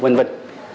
vâng thưa ông